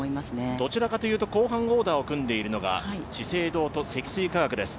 どちらかというと後半オーダーを組んでいるのが資生堂と積水化学です。